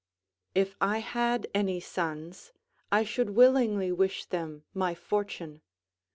If I had any sons, I should willingly wish them my fortune.